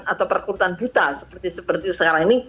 atau perkurutan buta seperti seperti sekarang ini